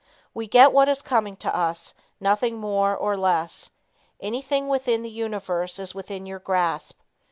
We get what is coming to us, nothing more or less. Anything within the universe is within your grasp.